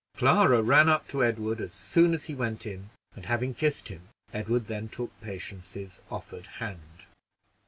Clara ran up to Edward as soon as he went in, and having kissed him, Edward then took Patience's offered hand.